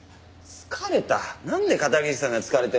疲れた？